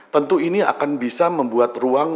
tentu ini akan bisa membuat ruang